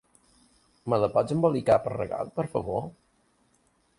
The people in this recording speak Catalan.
Me la pots embolicar per regal, per favor?